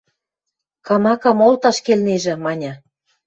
Камакам олташ келнежӹ, – маньы.